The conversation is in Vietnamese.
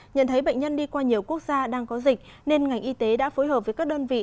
nhận thấy bệnh nhân đi qua nhiều quốc gia đang có dịch nên ngành y tế đã phối hợp với các đơn vị